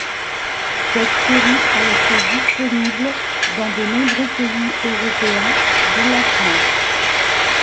Cette série a été disponible dans de nombreux pays européens, dont la France.